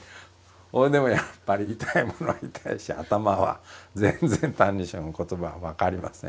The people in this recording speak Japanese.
それでもやっぱり痛いものは痛いし頭は全然「歎異抄」の言葉は分かりませんし。